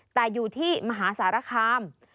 แต่อยู่ที่มหาสารคาม